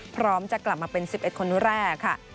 พร้อมจะกลับมาเป็น๑๑คนแรกค่ะ